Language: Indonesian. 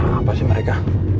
siapa sih mereka